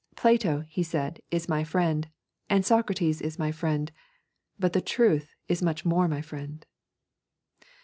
'Plato,' he said, 'is my friend, and Socrates is my friend, but the truth is much more my friend.'